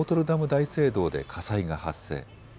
大聖堂で火災が発生。